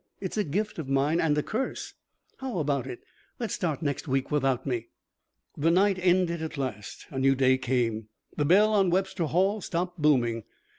It's a gift of mine and a curse. How about it? Let's start next week without me." The night ended at last. A new day came. The bell on Webster Hall stopped booming.